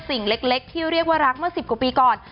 สิ่งเล็กที่เรียกว่ารักเมื่อ๑๐กว่าปีก่อน